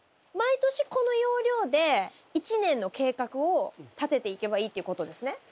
毎年この要領で１年の計画を立てていけばいいっていうことですね？